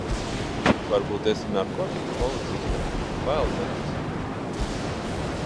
Varbūt esi narkotiku policiste, bail metas.